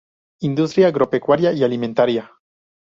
Industria agropecuaria y alimentaria.